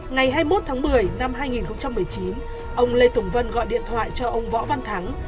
ngày hai mươi một tháng một mươi năm hai nghìn một mươi chín ông lê tùng vân gọi điện thoại cho ông võ văn thắng